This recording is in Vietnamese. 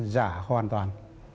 giả hoàn toàn